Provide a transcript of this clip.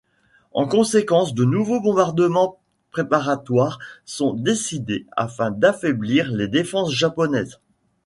En conséquence de nouveaux bombardements préparatoires sont décidés afin d'affaiblir les défenses japonaises.